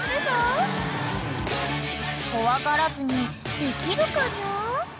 ［怖がらずにできるかニャ？］